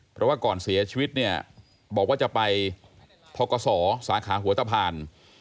เพราะว่าก่อนเสียชีวิตเนี่ยบอกว่าจะไปทกศสาขาหัวตะพาน